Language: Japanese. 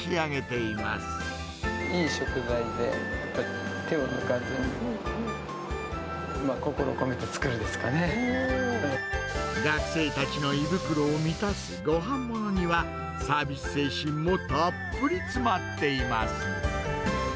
いい食材で手を抜かずに、学生たちの胃袋を満たすごはんものには、サービス精神もたっぷり詰まっています。